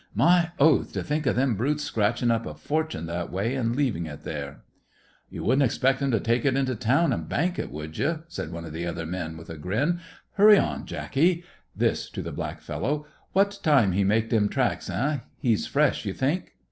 My oath! To think o' them brutes scratching up a fortune that way, an' leaving it there!" "You wouldn't expect 'em to take it into town an' bank it, would you?" said one of the other men, with a grin. "Hurry on, Jacky!" This to the black fellow "What time he make dem tracks, eh? He's fresh, you think?"